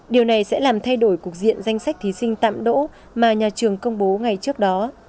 điều này sẽ làm thay đổi cuộc diện danh sách thí sinh tạm đỗ mà nhà trường công bố ngày trước đó